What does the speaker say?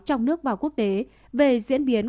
trong nước và quốc tế về diễn biến